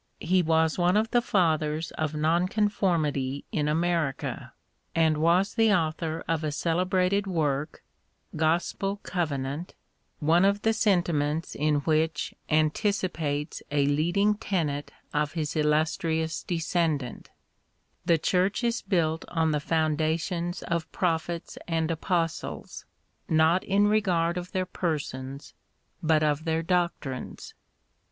He was one of the fathers of Nonconformity in America, and was the author of a celebrated work, " Gospel Covenant," one of the sentiments in which anticipates a leading tenet of his illustrious descendant :" The Church is built on the foundations of prophets and apostles, not in regard of their persons but of their doctrines."